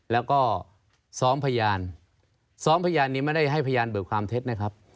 แล้วก็ซ้อมพยานซ้อมพยานนี้ไม่ได้ให้พยานเบิกความเท็จนะครับ